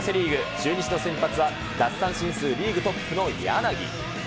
中日の先発は奪三振数リーグトップの柳。